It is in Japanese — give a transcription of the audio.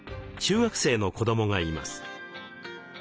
中学生の子どもがいます。